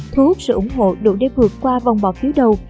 thu hút sự ủng hộ đủ để vượt qua vòng bỏ phiếu đầu